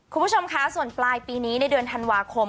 คุณผู้ชมคะส่วนปลายปีนี้ในเดือนธันวาคม